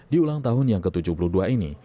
di ulang tahun yang ke tujuh puluh dua ini